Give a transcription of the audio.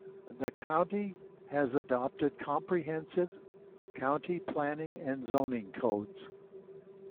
The county has adopted comprehensive county planning and zoning codes.